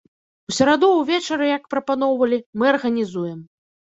У сераду ўвечары, як прапаноўвалі, мы арганізуем.